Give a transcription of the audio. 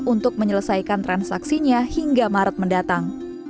untuk menyelesaikan transaksinya hingga maret mendatang